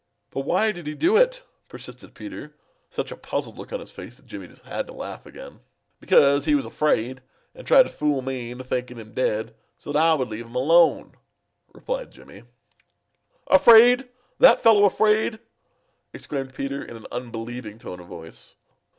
"But why did he do it?" persisted Peter, such a puzzled look on his face that Jimmy just had to laugh again. "Because he was afraid and tried to fool me into thinking him dead so that I would leave him alone," replied Jimmy. "Afraid! That fellow afraid!" exclaimed Peter in an unbelieving tone of voice.